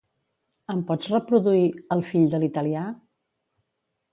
Em pots reproduir "El fill de l'italià"?